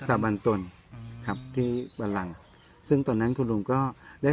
สาบันตนอืมครับที่บันลังซึ่งตอนนั้นคุณลุงก็ได้